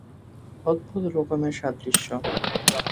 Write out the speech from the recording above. অদ্ভুত রকমের সাদৃশ্য।